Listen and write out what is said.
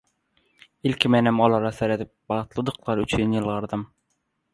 Ilki menem olara seredip bagtlydyklary üçin ýylgyrdym.